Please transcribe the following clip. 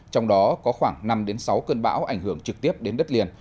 trong đó có khoảng năm sáu cơn bão ảnh hưởng trực tiếp đến đất liền